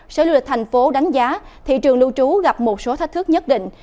sở du lịch thành phố đánh giá thị trường lưu trú gặp một số thách thức nhất định